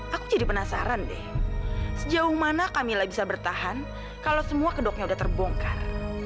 aku jadi penasaran deh sejauh mana kami lah bisa bertahan kalau semua kedoknya udah terbongkar